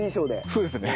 そうですね。